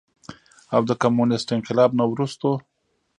او د کميونسټ انقلاب نه وروستو